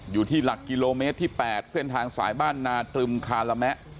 อยู่ที่หลักกิโลเมตรที่๘เส้นทางสายบ้านนาตรึมคาราแมะ